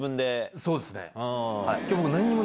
そうですね。